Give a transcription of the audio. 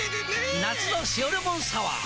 夏の「塩レモンサワー」！